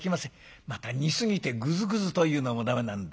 また煮すぎてグズグズというのも駄目なんだ。